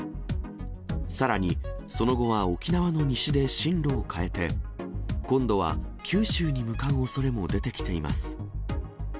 さらにその後は沖縄の西で進路を変えて、今度は九州に向かうおそれも出てきています。